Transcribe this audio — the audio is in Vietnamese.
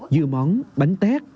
dựa món bánh tét